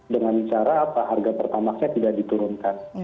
dengan cara apa harga pertamaxnya tidak diturunkan